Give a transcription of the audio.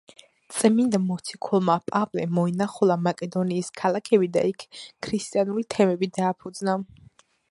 წმინდა მოციქულმა პავლემ მოინახულა მაკედონიის ქალაქები და იქ ქრისტიანული თემები დააფუძნა.